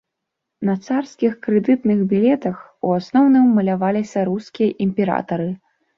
На царскіх крэдытных білетах у асноўным маляваліся рускія імператары.